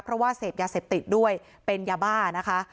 เพราะว่าเสพยาเสพติดด้วยเป็นยาบ้านะคะ